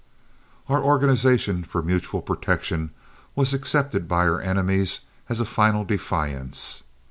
Our organization for mutual protection was accepted by our enemies as a final defiance.